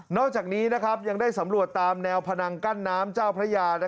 อกจากนี้ยังได้สำรวจตามแนวพนังกั้นน้ำเจ้าพระยา